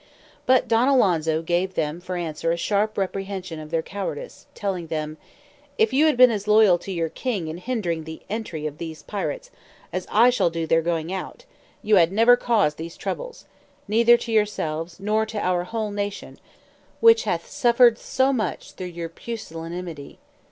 But Don Alonso gave them for answer a sharp reprehension of their cowardice, telling them, "If you had been as loyal to your king in hindering the entry of these pirates, as I shall do their going out, you had never caused these troubles, neither to yourselves nor to our whole nation, which hath suffered so much through your pusillanimity.